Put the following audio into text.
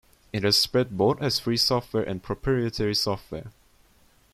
It has spread both as free software and proprietary software.